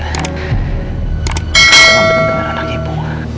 aku akan mendengar anak ibu